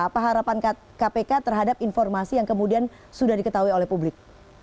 apa harapan kpk terhadap informasi yang kemudian sudah diketahui oleh publik